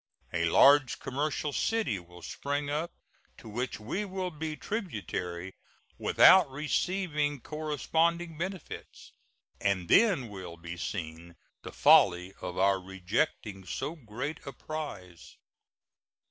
A large commercial city will spring up, to which we will be tributary without receiving corresponding benefits, and then will be seen the folly of our rejecting so great a prize.